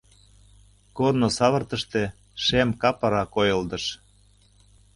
Корно савыртыште шем капора койылдыш.